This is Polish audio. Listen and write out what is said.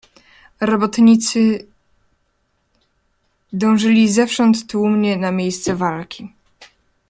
"Robotnicy dążyli zewsząd tłumnie na miejsce walki."